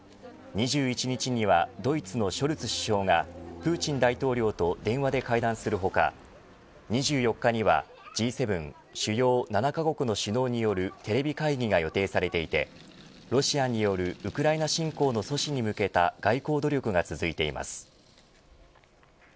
２１日にはドイツのショルツ首相がプーチン大統領と電話で会談する他２４日にはＧ７主要７カ国の首脳によるテレビ会議が予定されていてロシアによるウクライナ侵攻の阻止に向けた外交努力が続いています。